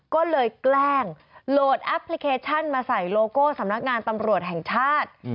ก็เลยแกล้งโหลดแอปพลิเคชันมาใส่โลโก้สำนักงานตำรวจแห่งชาติ